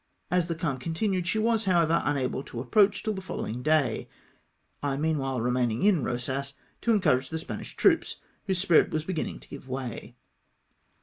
As the calm continued, she was, however, unable to approach till the foUowing day, I meanwhile remaiiung in Eosas, to encourage the Spanish troops, whose spirit was beginning to give way.